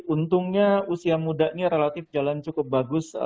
untungnya usia mudanya relatif jalan cukup bagus